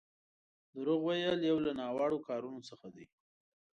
دروغ ويل يو له ناوړو کارونو څخه دی.